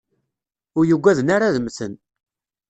Ur uggaden ara ad mten.